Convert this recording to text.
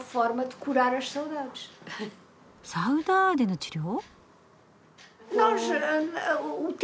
サウダーデの治療？